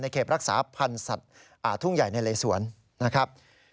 ในเข็บรักษาพันธุ์สัตว์อ่าทุ่งใหญ่ในเรยสวนนะครับ